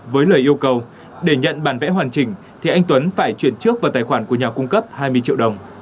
với lời yêu cầu để nhận bản vẽ hoàn chỉnh thì anh tuấn phải chuyển trước vào tài khoản của nhà cung cấp hai mươi triệu đồng